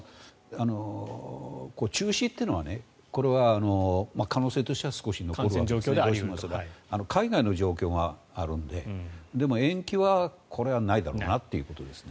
中止というのは可能性としては少し残るんですが海外の状況があるのででも、延期はこれはないだろうなということですね。